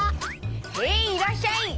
へいいらっしゃい！